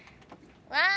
わあ！